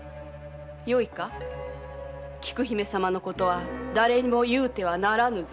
よいか菊姫様のことは誰にも言うてはならぬぞ。